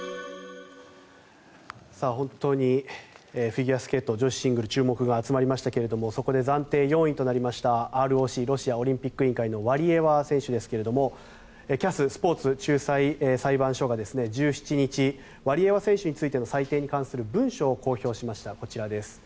本当にフィギュアスケート女子シングル注目が集まりましたけどもそこで暫定４位となったＲＯＣ・ロシアオリンピック委員会のワリエワ選手ですがＣＡＳ・スポーツ仲裁裁判所が１７日ワリエワ選手についての裁定に関する文書を公表しました。